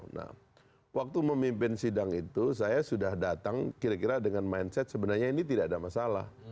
nah waktu memimpin sidang itu saya sudah datang kira kira dengan mindset sebenarnya ini tidak ada masalah